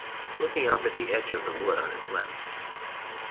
(Looking up at the edge of the wood on his left.